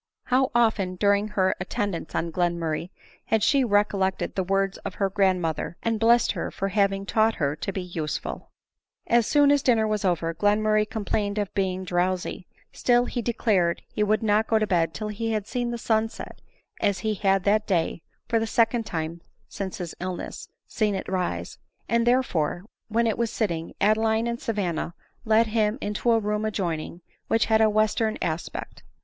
How often during her attend ance on Glenmurray bad she recollected the words of her grandmother, and blessed her for having taught her tobeusefid! ADELINE MOWBRAY. J87 As soon as dinner was over, Glenmurray complained of being drowsy ; still he declared he would not go to bed till he had seen the sun set, as he had that day, for the second time since his illness, seen it rise ; and, there fore, when it was sitting, Adeline and Savanna led him into a room adjoining, which had a western aspect.